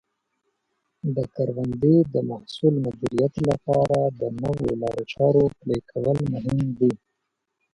د کروندې د محصول مدیریت لپاره د نوو لارو چارو پلي کول مهم دي.